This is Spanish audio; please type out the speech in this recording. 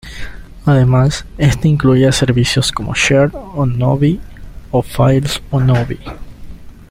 Además, esta incluía servicios como Share on Ovi o Files on Ovi.